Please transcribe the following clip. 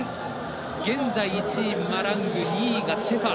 現在１位、マラング２位がシェファー。